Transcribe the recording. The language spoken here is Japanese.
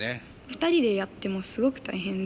２人でやってもすごく大変で。